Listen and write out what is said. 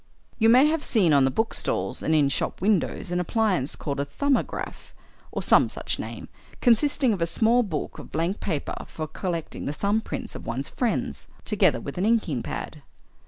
"You may have seen on the bookstalls and in shop windows an appliance called a 'Thumbograph,' or some such name, consisting of a small book of blank paper for collecting the thumb prints of one's friends, together with an inking pad."